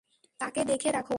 তাকে দেখে রাখো।